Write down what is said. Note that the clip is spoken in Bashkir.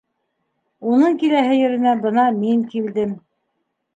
Уның киләһе еренә бына мин килдем.